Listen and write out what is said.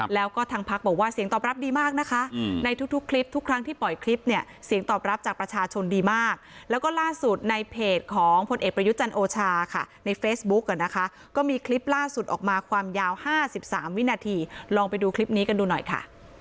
แล้วก็ทางพักบอกว่าเสียงตอบรับดีมากนะคะในทุกคลิปทุกครั้งที่ปล่อยคลิปเนี่ยเสียงตอบรับจากประชาชนดีมากแล้วก็ล่าสุดในเพจของพลเอกประยุจันทร์โอชาค่ะในเฟซบุ๊กอ่ะนะคะก็มีคลิปล่าสุดออกมาความยาว๕๓วินาทีลองไปดูคลิปนี้กันดูหน่อยค่ะ